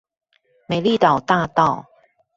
美麗島大道